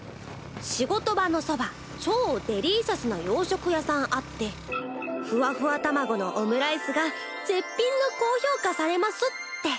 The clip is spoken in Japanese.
「仕事場のそば超デリーシャスな洋食屋さんあってふわふわ玉子のオムライスが絶品の高評価されます」って。